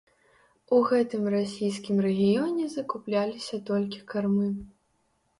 У гэтым расійскім рэгіёне закупляліся толькі кармы.